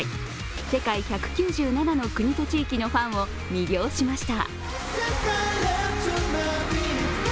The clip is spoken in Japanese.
世界１９７の国と地域のファンを魅了しました。